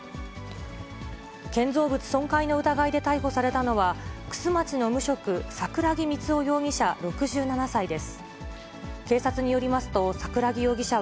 建造物損壊の疑いで逮捕されたのは、玖珠町の無職、桜木光夫容疑者